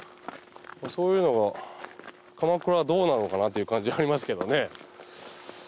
そういうのがかまくらはどうなのかなっていう感じありますけどね。